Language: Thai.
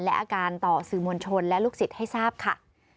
และอาการต่อสื่อมวลชนและลูกศิษย์ให้ทราบค่ะ